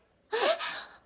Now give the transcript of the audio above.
えっ！？